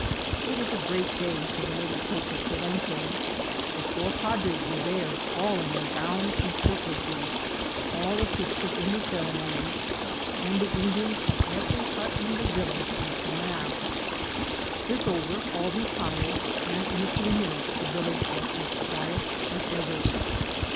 It was a great day for the little church at Palenque. The four padres were there, all in their gowns and surplices, all assisted in the cer emonies, and the Indians from every hut in the village went to mass. This over, all retired, and in a few min utes the village was as quiet as ever.